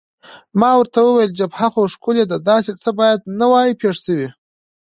ما ورته وویل: جبهه خو ښکلې ده، داسې څه باید نه وای پېښ شوي.